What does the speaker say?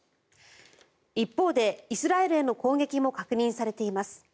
一方でイスラエルへの攻撃も確認されています。